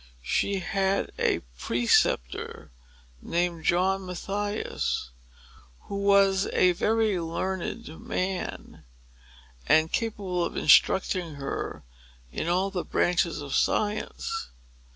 She had a preceptor, named John Mathias, who was a very learned man, and capable of instructing her in all the branches of science.